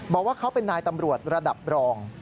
บอกว่าเขาเป็นนายตำรวจระดับรอง